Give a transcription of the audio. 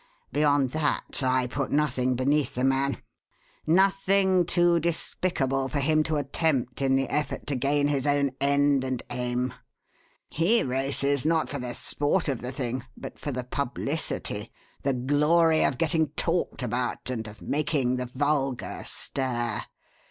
Beyond that, I put nothing beneath the man nothing too despicable for him to attempt in the effort to gain his own end and aim. He races not for the sport of the thing, but for the publicity, the glory of getting talked about, and of making the vulgar stare.